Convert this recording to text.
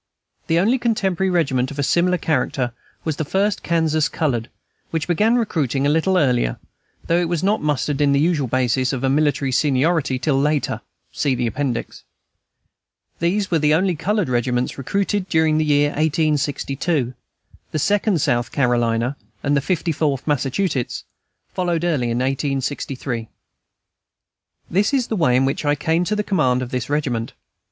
The only contemporary regiment of a similar character was the "First Kansas Colored," which began recruiting a little earlier, though it was not mustered in the usual basis of military seniority till later. [See Appendix] These were the only colored regiments recruited during the year 1862. The Second South Carolina and the Fifty Fourth Massachusetts followed early in 1863. This is the way in which I came to the command of this regiment.